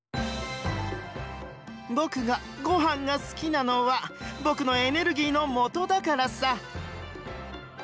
ボクがごはんが好きなのはボクのエネルギーのもとだからさ！